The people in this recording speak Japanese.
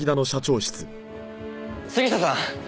杉下さん！